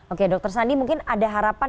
oke dokter sandi mungkin ada harapan